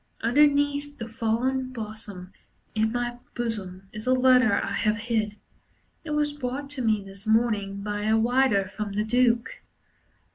Underneath the fallen blossom In my bosom, Is a letter I have hid. It was brought to me this morning by a rider from the Duke.